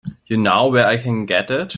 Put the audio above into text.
You know where I can get it?